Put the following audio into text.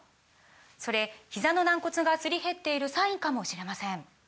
それひざの軟骨がすり減っているサインかもしれません